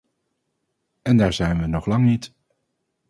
En daar zijn we nog lang niet.